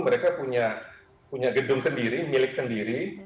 mereka punya gedung sendiri milik sendiri